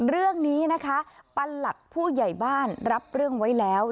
เรื่องนี้นะคะประหลัดผู้ใหญ่บ้านรับเรื่องไว้แล้ว